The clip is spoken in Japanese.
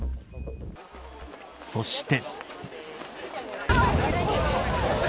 そして。